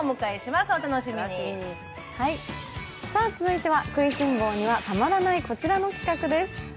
続いては食いしん坊にはたまらないこちらの企画です。